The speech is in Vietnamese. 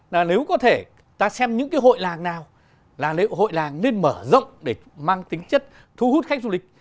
là nếu có thể ta xem những cái hội làng nào là lễ hội làng nên mở rộng để mang tính chất thu hút khách du lịch